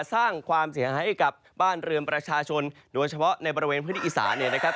สร้างความเสียหายให้กับบ้านเรือนประชาชนโดยเฉพาะในบริเวณพื้นที่อีสานเนี่ยนะครับ